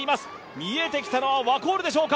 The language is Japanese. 見えてきたのはワコールでしょうか。